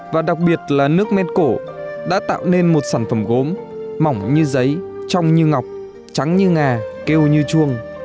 và đặc biệt là nước men cổ đã tạo nên một sản phẩm gốm mỏng như giấy trông như ngọc trắng như ngà kêu như chuông